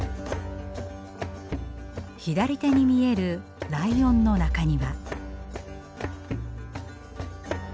左手に見えるライオンの中庭。